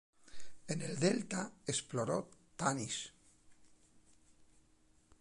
En el delta exploró Tanis.